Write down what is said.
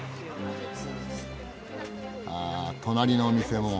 あ隣のお店も。